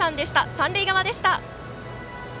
三塁側でした。